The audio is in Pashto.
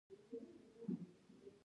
کیمیاګر له ټولو کلتورونو سره اړیکه لري.